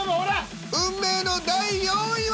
運命の第４位は！